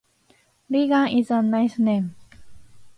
Reagan is a nice name.